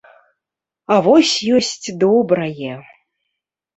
А вось ёсць добрае!